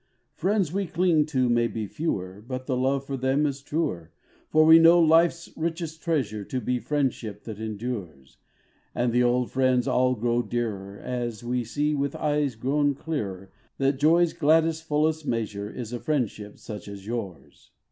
Is a F riends xv)e clinq to mau be fe^Oer, But the loOe jor them is truer; fbr \Oe know life s richest treasure To be friendship that em dures, And the old jriends all qroxO dearer & As vOe see \oith eues qro\On clearer That joq's gladdest, fullest measure ' Is a friendship such as Ljours.